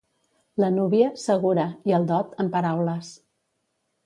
La núvia, segura, i el dot, en paraules.